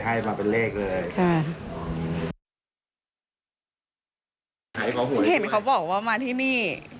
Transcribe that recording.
เห็นเขาบอกว่ามาที่นี่